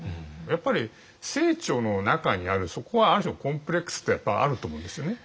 やっぱり清張の中にあるそこはある種のコンプレックスってやっぱあると思うんですよね。